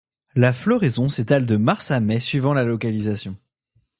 La floraison s'étale de mars à mai suivant la localisation.